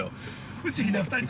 ◆不思議な２人と。